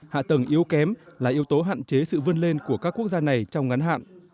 hạ tầng yếu kém là yếu tố hạn chế sự vươn lên của các quốc gia này trong ngắn hạn